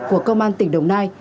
của công an tỉnh đồng nai